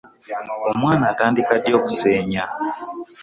Omwana atandika ddi okusenya.